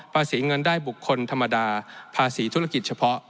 ภาษีเงินได้บุคคลธรรมดาภาษีธุรกิจเฉพาะ